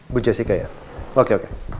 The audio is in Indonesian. bu jessica ya oke oke